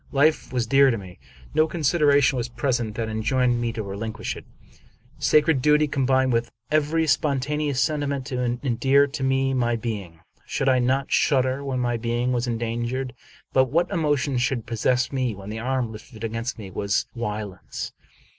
Life was dear to me. No consideration was present that enjoined me to relinquish it. Sacred duty combined with every spontaneous sentiment to endear to me my being. Should I not shudder when my being was endangered? But what emotion should possess me when the arm lifted against me was Wieland's?